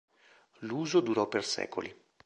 L'uso durò per secoli.